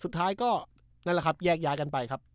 สุดท้ายก็นั่นแหละครับแยกย้ายกันไปครับ